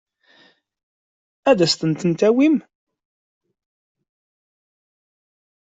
Ad asen-tent-id-tawim?